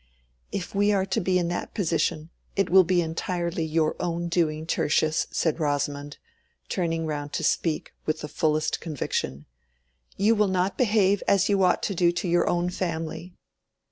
"If we are to be in that position it will be entirely your own doing, Tertius," said Rosamond, turning round to speak with the fullest conviction. "You will not behave as you ought to do to your own family.